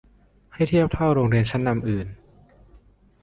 ให้เทียบเท่าโรงเรียนชั้นนำอื่น